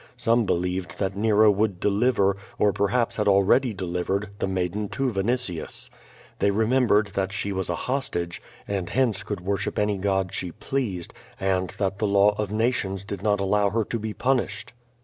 Some believed that Nero would deliver, or perhaps had already delivered, the maiden to Vinitius. They remembered that she was a hostage, and hence could worship any god she pleased, and that the law of nations did not allow her to be punished.